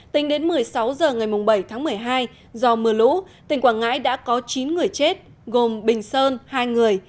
tính đến một mươi sáu h ngày bảy tháng một mươi hai do mưa lũ tỉnh quảng ngãi đã có chín người chết gồm bình sơn hai người